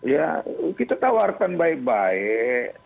ya kita tawarkan baik baik